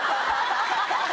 ハハハハ！